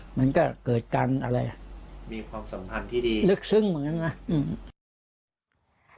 มันก็เกิดการอะไรอ่ะมีความสัมพันธ์ที่ดีลึกซึ้งเหมือนกันนะอืม